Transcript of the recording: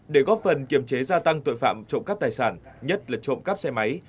để góp phần kiềm chế gia tăng tội phạm trộm cắp tài sản nhất là trộm cắp xe máy